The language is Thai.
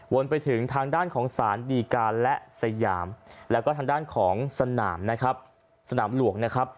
วนไปถึงทางด้านของสารดีการและสยามและก็ทางด้านของสนามหลวง